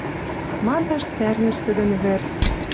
Мадаш цӓрнӹш тӹдӹн вӹр.